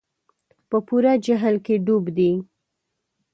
په پوره جهل کې ډوب دي.